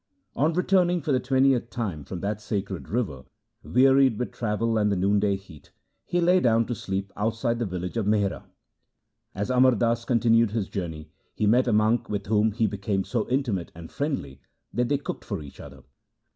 On returning for the twentieth time from that sacred river, wearied with travel and the noonday heat, he lay down to sleep outside the village of Mihra. As Amar Das continued his journey, he met a monk with whom he became so intimate and friendly that they cooked for each other.